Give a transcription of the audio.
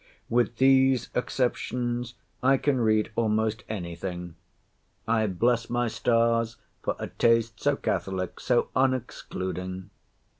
With these exceptions, I can read almost any thing. I bless my stars for a taste so catholic, so unexcluding.